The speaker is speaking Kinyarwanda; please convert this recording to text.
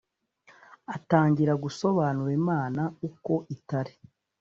Atangira gusobanura Imana uko itari